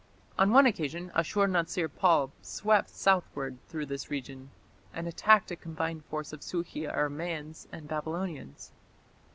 On one occasion Ashur natsir pal swept southward through this region, and attacked a combined force of Sukhi Aramaeans and Babylonians.